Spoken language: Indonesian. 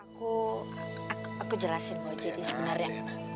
aku aku jelasin mau jadi sebenernya